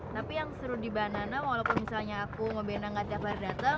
tapi yang seru di banana walaupun misalnya aku mau bina nggak tiap hari datang